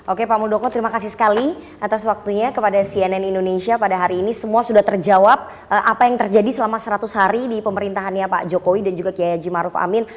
oke pak muldoko terima kasih sekali atas waktunya kepada cnn indonesia pada hari ini semua sudah terjawab apa yang terjadi selama seratus hari di pemerintahannya pak jokowi dan juga kiai haji maruf amin